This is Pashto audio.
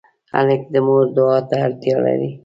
هلک د مور دعا ته اړتیا لري.